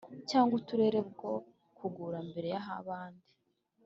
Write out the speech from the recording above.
cyangwa Uturere bwo kugura mbere y abandi